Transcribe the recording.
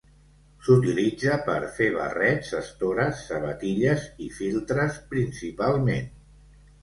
S'utilitza per fer barrets, estores, sabatilles i filtres, principalment.